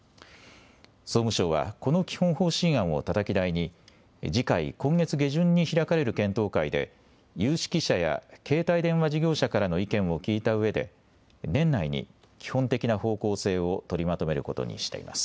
総務省はこの基本方針案をたたき台に次回、今月下旬に開かれる検討会で有識者や携帯電話事業者からの意見を聞いたうえで年内に基本的な方向性を取りまとめることにしています。